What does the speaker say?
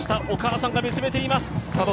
お母さんが見つめています。